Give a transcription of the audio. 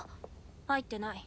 入ってない。